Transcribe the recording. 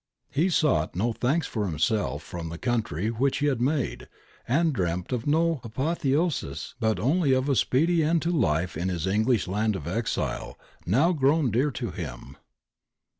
He sought no thanks for himself from the country which he had made, and dreamt of no apotheosis, but only of a speedy end to life in his English land of exile, now grown dear to him.